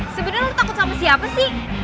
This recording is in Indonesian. sebenarnya lo takut sama siapa sih